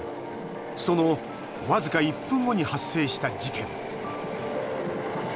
その僅か１分後に発生した事件。